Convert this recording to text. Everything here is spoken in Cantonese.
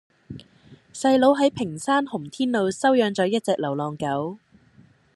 細佬喺屏山洪天路收養左一隻流浪狗